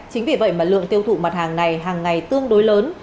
chính vì vậy mà lượng tiêu thụ mặt hàng này hàng ngày tương đối lớn